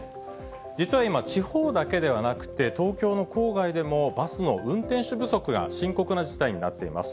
実は今、地方だけではなくて、東京の郊外でも、バスの運転手不足が深刻な事態になっています。